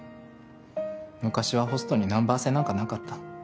昔はホストにナンバー制なんかなかった。